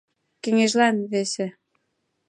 Кеҥежлан — весе!